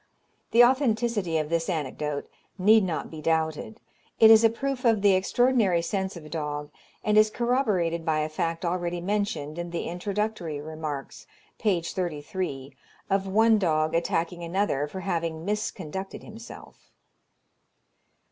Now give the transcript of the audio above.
The authenticity of this anecdote need not be doubted. It is a proof of the extraordinary sense of a dog, and is corroborated by a fact already mentioned in the introductory remarks (p. 33), of one dog attacking another for having misconducted himself.